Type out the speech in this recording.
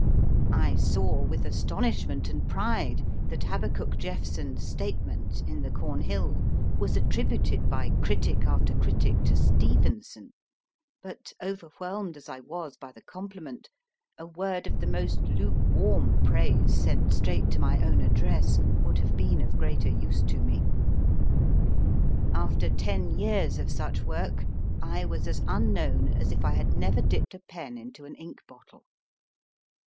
I saw with astonish ment and pride that Habakuk Jephson s Statement in the CornJiill was attributed by critic after critic to Stevenson, but, overwhelmed as I was by the compliment, a word of the most lukewarm praise sent straight to my own address would have been of greater use to me. After ten years of such work I was as unknown as if I had never dipped a pen into an ink bottle.